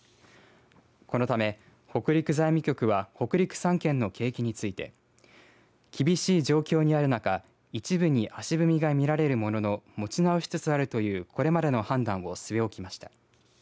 このため、北陸財務局は北陸３県の景気について厳しい状況にある中一部に足踏みがみられるものの持ち直しつつあるというこれまでの判断を据え置きました。